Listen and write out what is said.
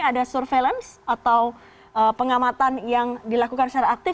ada surveillance atau pengamatan yang dilakukan secara aktif